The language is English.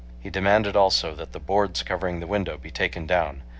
He demanded also that the boards covering the window be taken down.